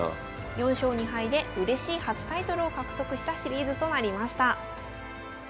４勝２敗でうれしい初タイトルを獲得したシリーズとなりました。